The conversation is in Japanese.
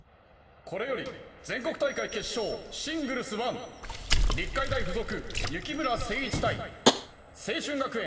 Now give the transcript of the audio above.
これより全国大会決勝シングルスワン立海大附属幸村精市対青春学園